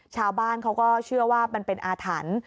ชาวบ้านเขาก็เชื่อว่ามันเป็นอาถรรพ์